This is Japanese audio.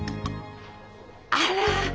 あら！